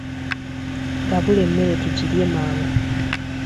Gabula emmere tugirye mangu.